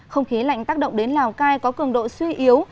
không khí lạnh tác động đến lào cai có cường độ suy yếu